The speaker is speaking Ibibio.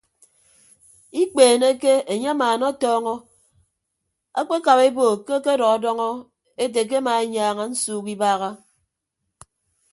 Ikpeeneke enye amaanatọọñọ akpekap ebo ke akedọdọñọ ete ke ema enyaaña nsuuk ibaaha.